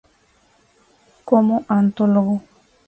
Como antólogo